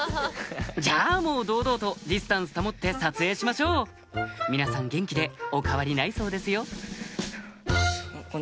じゃあもう堂々とディスタンス保って撮影しましょう皆さん元気でお変わりないそうですよこれ。